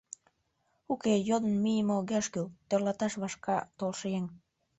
— Уке, йодын мийыме огеш кӱл! — тӧрлаташ вашка толшо еҥ.